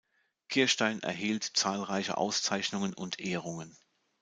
Kirstein erhielt zahlreiche Auszeichnungen und Ehrungen.